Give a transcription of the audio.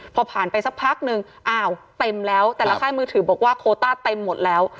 พอผ่านไปสักพักนึงอ้าวเต็มแล้วแต่ละค่ายมือถือบอกว่าโคต้าเต็มหมดแล้ว